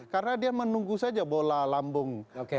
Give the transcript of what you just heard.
karena dia menunggu saja bola lambung